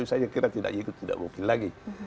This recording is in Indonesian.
tapi saya kira tidak itu tidak mungkin lagi